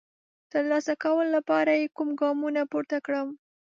د ترلاسه کولو لپاره یې کوم ګامونه پورته کړم؟